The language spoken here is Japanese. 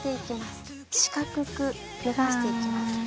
四角くのばしていきます。